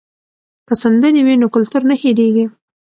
که سندرې وي نو کلتور نه هېریږي.